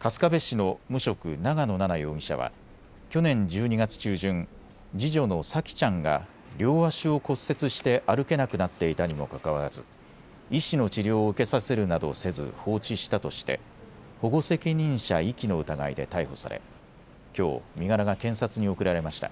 春日部市の無職、長野奈々容疑者は去年１２月中旬、次女の沙季ちゃんが両足を骨折して歩けなくなっていたにもかかわらず医師の治療を受けさせるなどせず放置したとして保護責任者遺棄の疑いで逮捕されきょう身柄が検察に送られました。